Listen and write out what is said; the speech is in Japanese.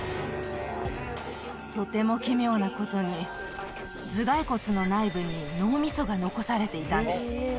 とても奇妙なことに頭蓋骨の内部に脳みそが残されていたんです。